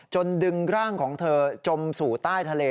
ดึงร่างของเธอจมสู่ใต้ทะเล